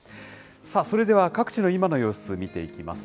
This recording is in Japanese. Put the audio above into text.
それでは各地の今の様子、見ていきます。